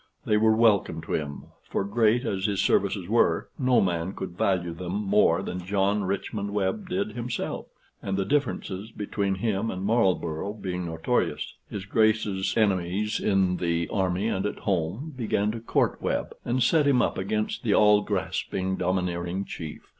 They were welcome to him, for great as his services were, no man could value them more than John Richmond Webb did himself, and the differences between him and Marlborough being notorious, his Grace's enemies in the army and at home began to court Webb, and set him up against the all grasping, domineering chief.